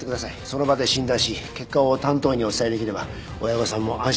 その場で診断し結果を担当医にお伝えできれば親御さんも安心されるでしょうから。